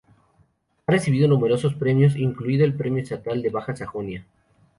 Ha recibido numerosos premios, incluido el Premio Estatal de Baja Sajonia.